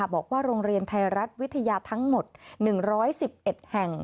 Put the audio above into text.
บอกว่าโรงเรียนไทยรัฐวิทยาทั้งหมด๑๑๑แห่ง